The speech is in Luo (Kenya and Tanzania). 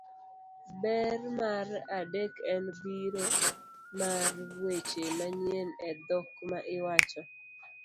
Ber mar adek en biro mar weche manyien e dhok ma iwacho,